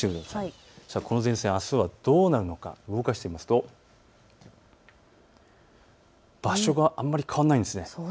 この前線、あすはどうなるのか動かしてみますと場所があまり変わらないんです。